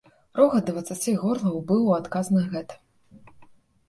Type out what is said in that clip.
Рогат дваццаці горлаў быў у адказ на гэта.